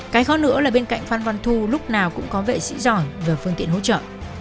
cái khó nữa là bên cạnh phan văn thu lúc nào cũng có vệ sĩ giỏi về phương tiện hỗ trợ